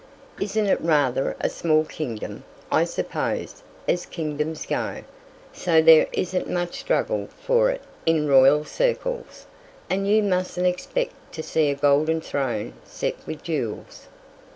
It's rather a small kingdom, I suppose, as kingdoms go, so there isn't much struggle for it in royal circles, and you mustn't expect to see a golden throne set with jewels.